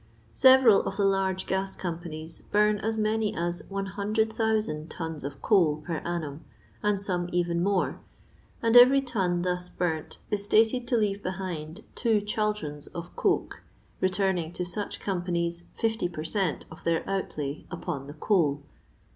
Several of the larger gas companies bum as many as 100,000 tons of coals per annum, and some even more, and every ton thus burnt is stated to leave behind two chal drons of coke, returning to such companies 50 per cent of their outlay upon the coal.